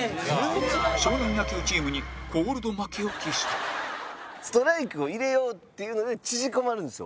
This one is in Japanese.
少年野球チームにコールド負けを喫したストライクを入れようっていうので縮こまるんですよ。